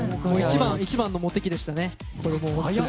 一番のモテ期でしたね。